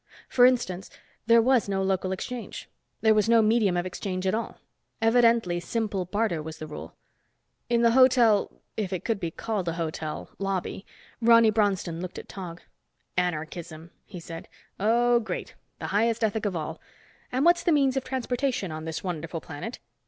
For instance, there was no local exchange. There was no medium of exchange at all. Evidently simple barter was the rule. In the hotel—if it could be called a hotel—lobby, Ronny Bronston looked at Tog. "Anarchism!" he said. "Oh, great. The highest ethic of all. And what's the means of transportation on this wonderful planet?